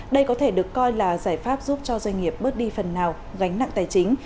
đây có thể được coi là giải pháp giúp cho doanh nghiệp bớt đi phần nào gánh nặng tài chính